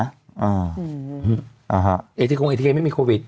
ไอทีโครงไอทีเคยไม่มีโควิด